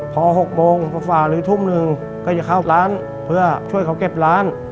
พอ๖โมงฝ่าหรือทุ่มหนึ่งก็จะเข้าร้านเพื่อช่วยเขาเก็บร้าน